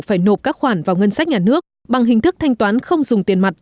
phải nộp các khoản vào ngân sách nhà nước bằng hình thức thanh toán không dùng tiền mặt